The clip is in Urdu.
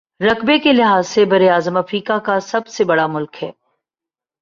رقبے کے لحاظ سے براعظم افریقہ کا سب بڑا ملک ہے